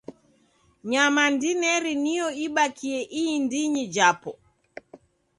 Nyama ndineri nio ibakie indinyi japo.